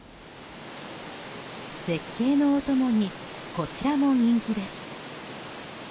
絶景のお供にこちらも人気です。